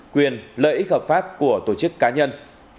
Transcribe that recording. quyền lợi ích hợp pháp của tổ chức cá nhân